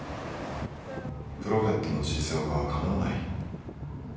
プロフェットの実用化は叶わない。